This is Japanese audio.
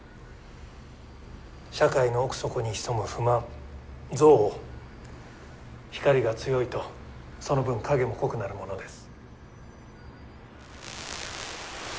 社会の奥底に潜む不満憎悪光が強いとその分影も濃くなるものです。